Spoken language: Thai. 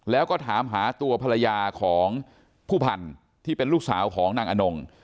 แล้วก็ถามหาตัวภรรยาของผู้พันธุ์ที่เป็นลูกสาวของนางอนง